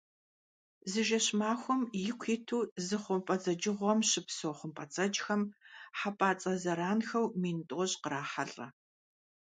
Зы жэщ-махуэм ику иту зы хъумпӀэцӀэджыгъуэм щыпсэу хъумпӀэцӀэджхэм хьэпӀацӀэ зэранхэу мин тӀощӀ кърахьэлӀэ.